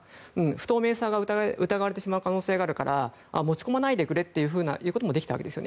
不透明さが疑われてしまう可能性があるから持ち込まないでくれと言うこともできたわけです。